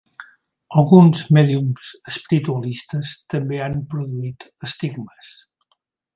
Alguns mèdiums espiritualistes també han produït estigmes.